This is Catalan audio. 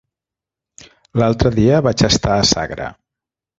L'altre dia vaig estar a Sagra.